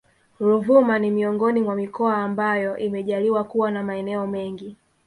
Ruvuma ni miongoni mwa mikoa ambayo imejaliwa kuwa na maeneo mengi